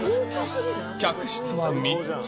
客室は３つ。